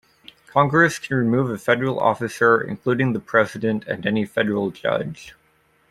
Congress can remove a federal officer, including the President and any federal judge.